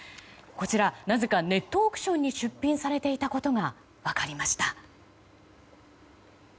こちら、なぜかネットオークションに出品されていたことが分かりました。